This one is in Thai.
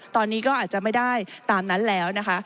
ตอนนี้ก็อาจจะไม่ได้ตามนั้นแล้วนะคะ